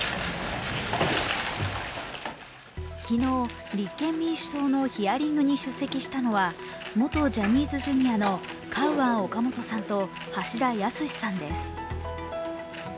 昨日、立憲民主党のヒアリングに出席したのは元ジャニーズＪｒ．のカウアン・オカモトさんと橋田康さんです。